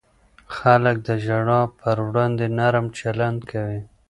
خلک د ژړا پر وړاندې نرم چلند کوي.